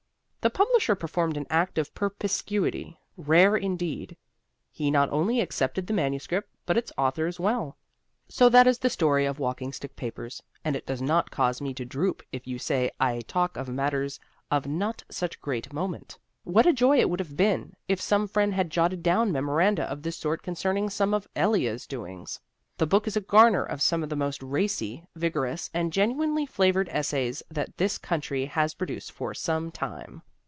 The publisher performed an act of perspicuity rare indeed. He not only accepted the manuscript, but its author as well. So that is the story of "Walking Stick Papers," and it does not cause me to droop if you say I talk of matters of not such great moment. What a joy it would have been if some friend had jotted down memoranda of this sort concerning some of Elia's doings. The book is a garner of some of the most racy, vigorous and genuinely flavored essays that this country has produced for some time.